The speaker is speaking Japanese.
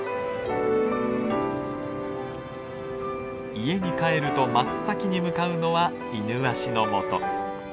家に帰ると真っ先に向かうのはイヌワシのもと。